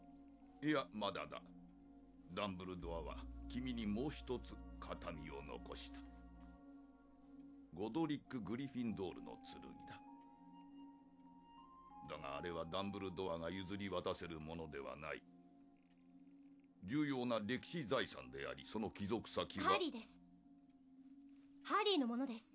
いやまだだダンブルドアは君にもう一つ形見を残したゴドリック・グリフィンドールの剣だだがあれはダンブルドアが譲り渡せるものではない重要な歴史財産でありその帰属先はハリーです